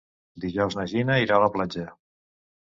Dijous na Gina irà a la platja.